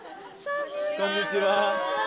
こんにちは。